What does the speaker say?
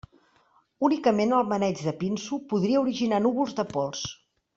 Únicament el maneig de pinso podria originar núvols de pols.